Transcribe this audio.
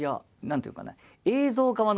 何ていうかね